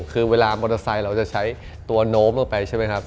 คือเวลามอเตอร์ไซค์เราจะใช้ตัวโน้มลงไปใช่ไหมครับ